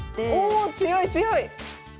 お強い強い！